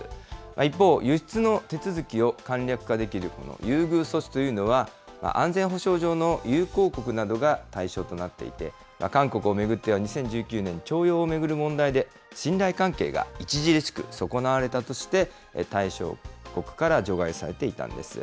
一方、輸出の手続きを簡略化できる優遇措置というのは、安全保障上の友好国などが対象となっていて、韓国を巡っては２０１９年、徴用を巡る問題で、信頼関係が著しく損なわれたとして、対象国から除外されていたんです。